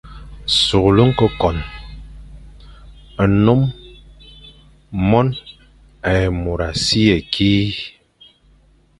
Sughle ñkôkon, nnôm, mône, é môr a si ye kî,